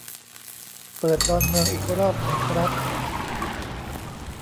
เปิดดอนเมืองอีกรอบไหมครับ ?